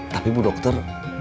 tapi bu dokter